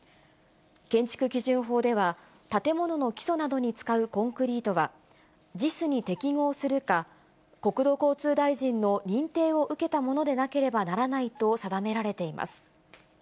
建築基準法では、建物の基礎などに使うコンクリートは、ＪＩＳに適合するか、国土交通大臣の認定を受けたものでなければならないと定められています。